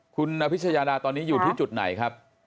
คุณอภิชยาดาตอนนี้อยู่ที่จุดไหนครับ